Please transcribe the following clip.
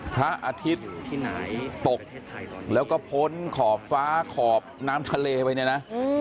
พระอาทิตย์ที่ไหนตกแล้วก็พ้นขอบฟ้าขอบน้ำทะเลไปเนี่ยนะ